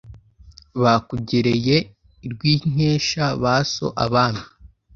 bakugereye i rwinkesha ba so abami,